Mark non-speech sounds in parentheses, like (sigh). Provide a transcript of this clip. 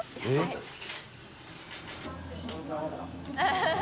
ハハハ (laughs)